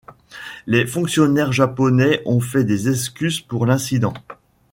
Les fonctionnaires japonais ont fait des excuses pour l'incident.